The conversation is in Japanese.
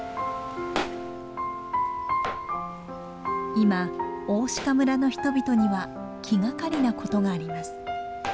今大鹿村の人々には気がかりなことがあります。